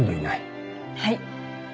はい。